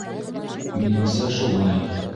Минеңсә, шулай.